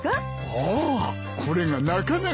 ああこれがなかなか。